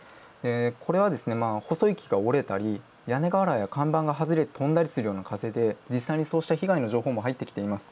これは細い木が折れたり屋根瓦や看板が飛んだりするような風で実際にそうした被害の情報も入ってきています。